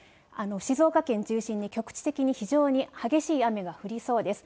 静岡県中心に局地的に非常に激しい雨が降りそうです。